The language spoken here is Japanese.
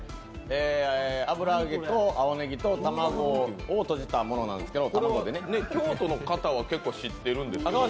油揚げと青ネギを卵でとじたものなんですが京都の方は結構知っているんですよね。